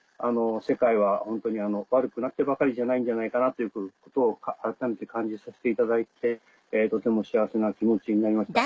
世界はホントに悪くなってばかりじゃないんじゃないかなと改めて感じさせていただいてとても幸せな気持ちになりました。